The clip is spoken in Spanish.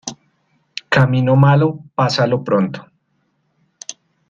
Camino malo, pásalo pronto.